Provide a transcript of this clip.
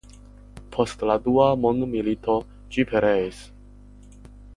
Post la Dua mondmilito ĝi pereis.